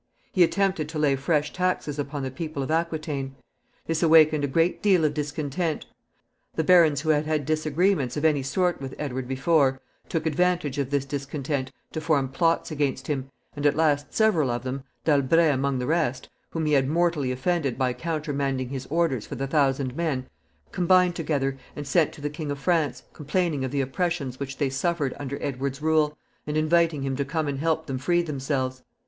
He attempted to lay fresh taxes upon the people of Aquitaine. This awakened a great deal of discontent. The barons who had had disagreements of any sort with Edward before, took advantage of this discontent to form plots against him, and at last several of them, D'Albret among the rest, whom he had mortally offended by countermanding his orders for the thousand men, combined together and sent to the King of France, complaining of the oppressions which they suffered under Edward's rule, and inviting him to come and help them free themselves.